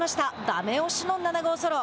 ダメ押しの７号ソロ。